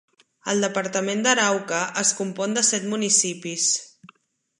El departament d'Arauca es compon de set municipis.